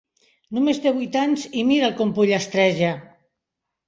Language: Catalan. Només té vuit anys i mira'l com pollastreja!